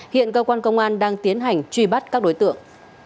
hiện cơ quan công an đang tiến hành truy bắt các đối tượng